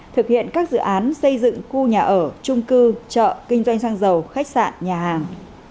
thực hiện các dự án xây dựng khu nhà ở trung cư chợ kinh doanh xăng dầu khách sạn nhà hàng